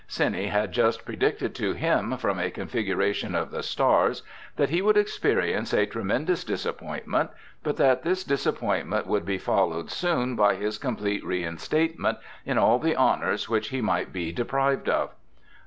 Seni had just predicted to him, from a configuration of the stars, that he would experience a tremendous disappointment, but that this disappointment would be followed soon by his complete reinstatement in all the honors which he might be deprived of.